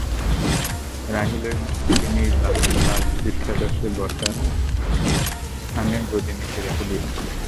রাহীল ঐ মূর্তিটি নিজ বাহনের পৃষ্ঠদেশে বসার স্থানে গদির নীচে রেখে দিয়েছিলেন।